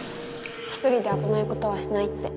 ひとりであぶないことはしないって。